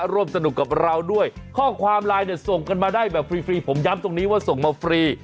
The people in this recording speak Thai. ร่วมสนุกกับเราด้วยข้อความไลน์เนี่ยส่งกันมาได้แบบฟรีผมย้ำตรงนี้ว่าส่งมาฟรี